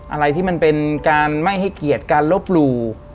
อะไรที่มันเป็นการไม่ให้เกียรติการลบหลู่